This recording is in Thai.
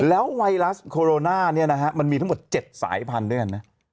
แล้วไวรัสโคโรนาเนี่ยนะฮะมันมีทั้งหมด๗สายพันธุ์ด้วยกันนะ